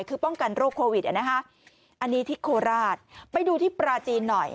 คือป้องกันโรคโควิดอ่ะนะคะอันนี้ที่โคราชไปดูที่ปราจีนหน่อย